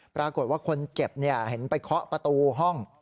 ปรากฏว่าคนเจ็บเห็นไปเคาะประตูห้อง